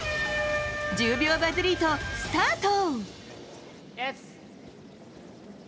１０秒バズリート、スタート。